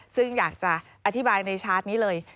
ซึ่งอยากจะอธิบายในชาร์จนี้เลย